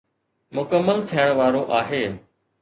مڪمل ٿيڻ وارو آهي